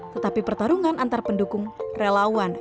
tetapi pertarungan antar pendukung relawan